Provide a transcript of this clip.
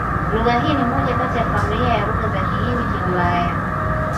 Lugha hii ni moja kati ya familia ya Lugha za Kihindi-Kiulaya.